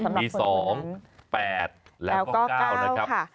มี๒๘๙แล้วก็๙นะคะ